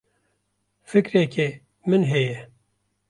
Fikreke min heye.